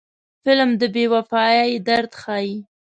فلم د بې وفایۍ درد ښيي